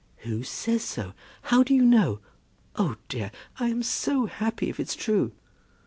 "Who says so? How do you know? Oh, dear; I am so happy, if it's true."